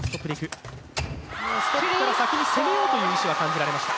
先に攻めようという意思は感じられました。